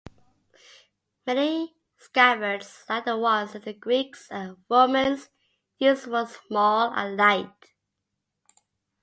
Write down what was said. Many scabbards like the ones the Greeks and Romans used were small and light.